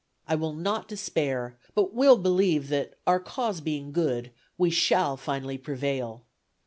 I will not despair, but will believe that, our cause being good, we shall finally prevail.